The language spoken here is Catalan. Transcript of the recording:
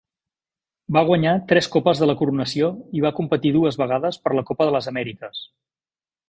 Va guanyar tres Copes de la Coronació i va competir dues vegades per la Copa de les Amèriques.